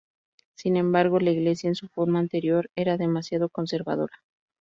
Sin embargo, la Iglesia en su forma anterior era demasiado conservadora.